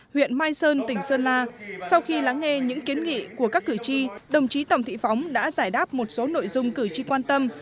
huyện mai sơn tỉnh sơn la sau khi lắng nghe những kiến nghị của các cử tri đồng chí tòng thị phóng đã giải đáp một số nội dung cử tri quan tâm